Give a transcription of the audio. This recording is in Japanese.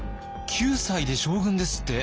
９歳で将軍ですって？